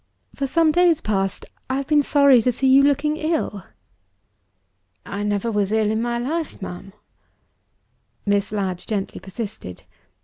For some days past, I have been sorry to see you looking ill." "I never was ill in my life, ma'am." Miss Ladd gently persisted.